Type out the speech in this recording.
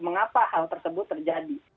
mengapa hal tersebut terjadi